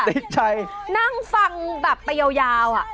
ติดใจนั่งฟังแบบไปยาวอ่ะ